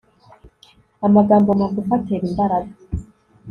amagambo magufi atera imbaraga